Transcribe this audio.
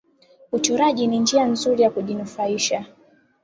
Uchoraji ni njia nzuri ya kujinufaisha